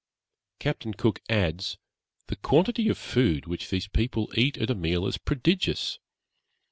Captain Cook adds, 'the quantity of food which these people eat at a meal is prodigious.